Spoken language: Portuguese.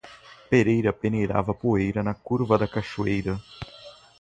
Pereira peneirava poeira na curva da cachoeira.